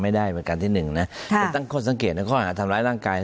ไม่ได้ประกันที่หนึ่งนะแต่ตั้งข้อสังเกตในข้อหาทำร้ายร่างกาย